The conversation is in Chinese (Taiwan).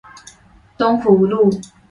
東湖路